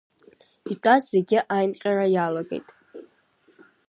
Итәаз зегьы аинҟьара иалагеит.